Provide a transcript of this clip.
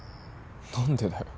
何でだよ。